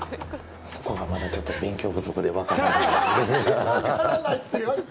そこがまだちょっと勉強不足で分からない。